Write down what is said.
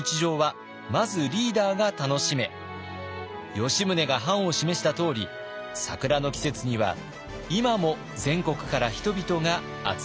吉宗が範を示したとおり桜の季節には今も全国から人々が集まってきます。